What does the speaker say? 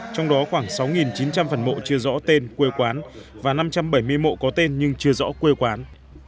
trong đó khoảng sáu chín trăm linh phần mộ chưa rõ tên quê quán và năm trăm bảy mươi mộ có tên nhưng chưa rõ quê quán